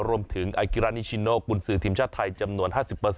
รวมถึงไอกิราณิชชิโนคุณสือทีมชาติไทยจำนวน๕๐